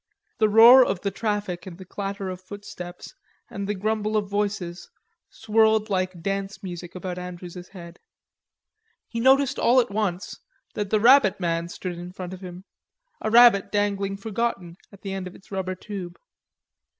The roar of the traffic and the clatter of footsteps and the grumble of voices swirled like dance music about Andrews's head. He noticed all at once that the rabbit man stood in front of him, a rabbit dangling forgotten at the end of its rubber tube.